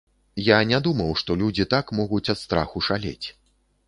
Я не думаў, што людзі так могуць ад страху шалець.